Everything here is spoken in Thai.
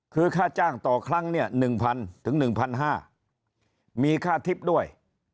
คือค่าจ้างต่อครั้งเนี่ย๑๐๐ถึง๑๕๐๐มีค่าทิพย์ด้วย